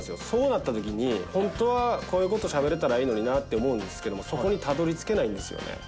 そうなったときに、本当は、こういうことしゃべれたらいいのになって思うんですけど、そこにたどりつけないんですよね。